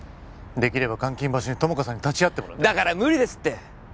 できれば監禁場所に友果さんに立ち会ってもらってだから無理ですって！